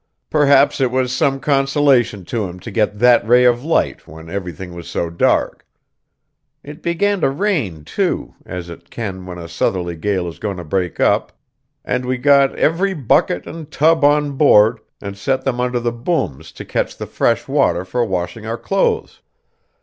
Perhaps it was some consolation to him to get that ray of light when everything was so dark. It began to rain, too, as it can when a southerly gale is going to break up, and we got every bucket and tub on board, and set them under the booms to catch the fresh water for washing our clothes.